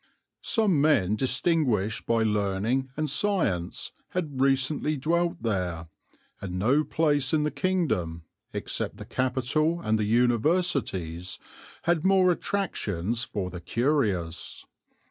"Some men distinguished by learning and science had recently dwelt there; and no place in the kingdom, except the capital and the Universities, had more attractions for the curious.